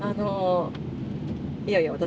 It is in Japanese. いやいや私